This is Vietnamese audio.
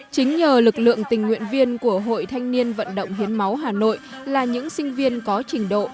chính nhờ lực lượng tình nguyện viên của hội thanh niên vận động hiến máu hà nội là những sinh viên có trình độ